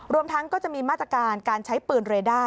รวมทั้งก็จะมีมาตรการการใช้ปืนเรด้า